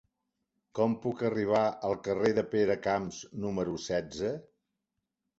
Com puc arribar al carrer de Peracamps número setze?